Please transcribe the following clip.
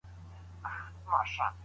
ستاسو بهرنی ژوند ستاسو دننه انعکاس دی.